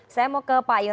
terima kasih pak bambang